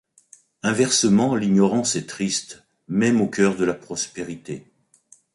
Inversement, l’ignorance est triste, même au cœur de la prospérité.